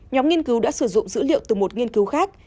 nhóm nghiên cứu đã sử dụng dữ liệu từ một nghiên cứu khác